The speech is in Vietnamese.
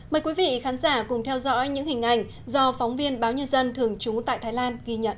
mời quý vị khán giả cùng theo dõi những hình ảnh như đó do những phóng viên báo nhân dân thường trúng tại thái lan ghi nhận